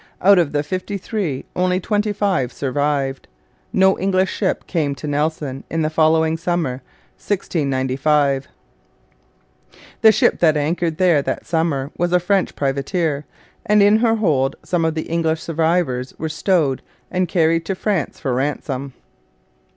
Out of the fifty three only twenty five survived. No English ship came to Nelson in the following summer 1695. The ship that anchored there that summer was a French privateer, and in her hold some of the English survivors were stowed and carried to France for ransom.